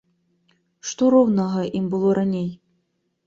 Што роўнага ім было раней?